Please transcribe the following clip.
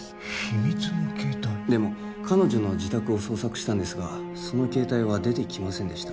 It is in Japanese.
でも彼女の自宅を捜索したんですがその携帯は出てきませんでした